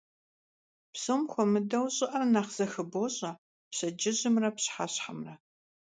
Psom xuemıdeu ş'ı'er nexh zexıboş'e pşedcıjımre pşıheşhemre.